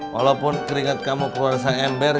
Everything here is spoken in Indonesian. walaupun keringat kamu keluar sang ember